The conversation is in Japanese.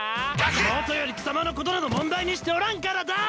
もとより貴様のことなど問題にしておらんからだー！